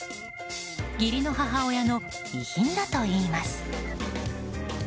義理の母親の遺品だといいます。